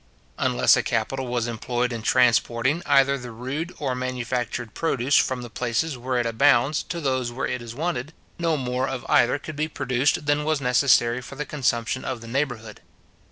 Unless a capital was employed in transporting either the rude or manufactured produce from the places where it abounds to those where it is wanted, no more of either could be produced than was necessary for the consumption of the neighbourhood.